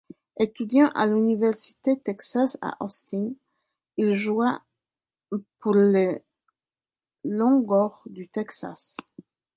Étudiant à l'Université du Texas à Austin, il joua pour les Longhorns du Texas.